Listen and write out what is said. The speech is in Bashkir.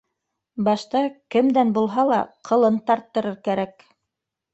Башта кемдән булһа ла ҡылын тарттырыр кәрәк.